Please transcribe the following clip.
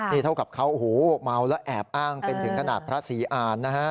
นี่เท่ากับเขาโอ้โหเมาแล้วแอบอ้างเป็นถึงขนาดพระศรีอ่านนะฮะ